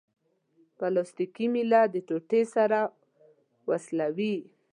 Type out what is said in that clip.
پلاستیکي میله د ټوټې سره وسولوئ.